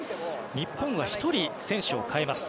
日本は１人選手を代えます。